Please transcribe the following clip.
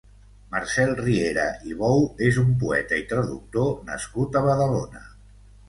Marcel Riera i Bou és un poeta i traductor nascut a Badalona.